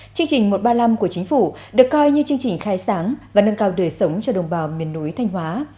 chương trình một trăm ba mươi năm của chính phủ được coi như chương trình khai sáng và nâng cao đời sống cho đồng bào miền núi thanh hóa